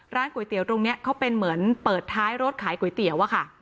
ก๋วยเตี๋ยวตรงนี้เขาเป็นเหมือนเปิดท้ายรถขายก๋วยเตี๋ยวอะค่ะ